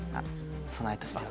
備えとしては。